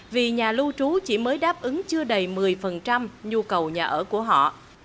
vì nhà lưu trú chỉ mới đáp ứng chưa đầy một mươi nhu cầu nhà ở của họ